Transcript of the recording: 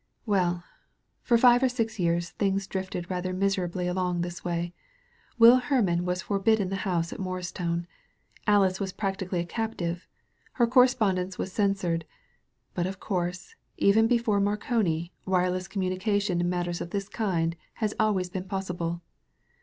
Well, for five or six years things drifted rather miserably along this way. Will Hermann was for bidden the house at Morristown. Alice was prac tically a captive; her correspondence was censored. But of course, even before Marconi, wireless com munication in matters of this kind has always been possible.